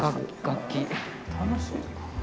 楽しい。